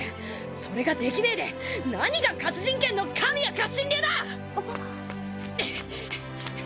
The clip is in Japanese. それができねえで何が活人剣の神谷活心流だ！あっ。